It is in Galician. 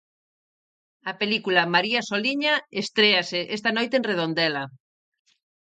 A película 'María Soliña' estréase esta noite en Redondela.